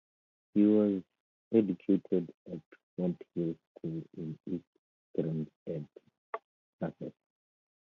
He was educated at Fonthill School in East Grinstead, Sussex.